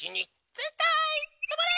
ぜんたいとまれ！